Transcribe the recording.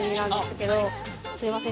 すいません